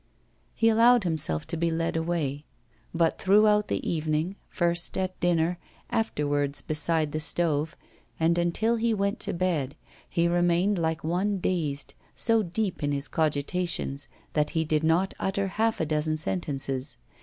He allowed himself to be led away. But throughout the evening, first at dinner, afterwards beside the stove, and until he went to bed, he remained like one dazed, so deep in his cogitations that he did not utter half a dozen sentences.